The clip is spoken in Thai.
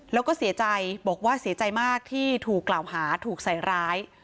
แล้วก็เสียใจบอกว่าเสียใจมากที่ถูกกล่าวหาถูกใส่ร้าย